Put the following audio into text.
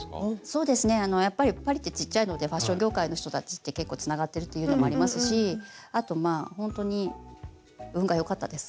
そうですねパリってちっちゃいのでファッション業界の人たちって結構つながってるっていうのもありますしあとまあほんとに運がよかったです。